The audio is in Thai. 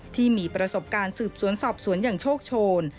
ที่มีประสบการณ์สืบสวนสอบสวนอย่างโชคโชน